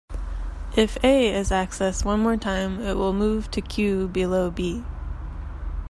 If "a" is accessed one more time it will move to Q below "b".